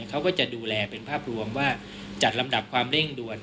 เขาก็จะดูแลเป็นภาพรวมว่าจัดลำดับความเร่งด่วน